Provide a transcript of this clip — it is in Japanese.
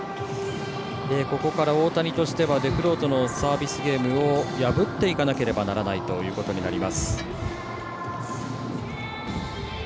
ここから大谷としてはデフロートのサービスゲームを破っていかなければならないということになります。